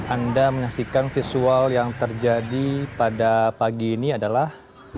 anda menyaksikan visual yang terjadi pada pagi ini adalah